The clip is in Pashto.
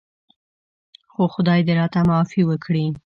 خو خدای دې راته معافي وکړي.